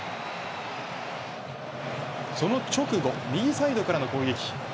その直後右サイドからの攻撃。